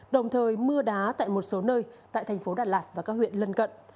đồng thời mưa đá tại một số nơi tại thành phố đà lạt và các huyện lân cận